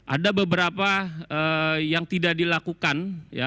ada beberapa yang tidak dilakukan